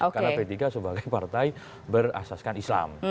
karena p tiga sebagai partai berasaskan islam